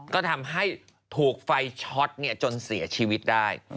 ก็ทำให้ถูกไฟช็อตจนเสียชีวิตได้